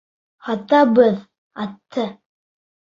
Һатабыҙ атты!